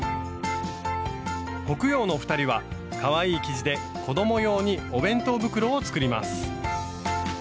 北陽のお二人はかわいい生地で子供用にお弁当袋を作ります。